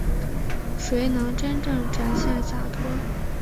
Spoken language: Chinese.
谁能真正展现洒脱